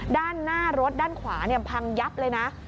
ด้านหน้ารถด้านขวาพังยับเลยนะ